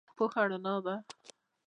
پوهه رڼا ده